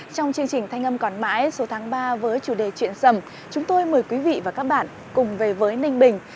trong chương trình thanh âm còn mãi số tháng ba với chủ đề chuyện sầm chúng tôi mời quý vị và các bạn cùng về với ninh bình